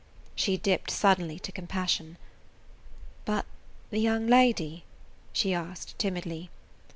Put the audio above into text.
She dipped suddenly to compassion. [Page 89] "But the young lady?" she asked timidly.